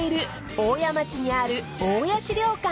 大谷町にある大谷資料館］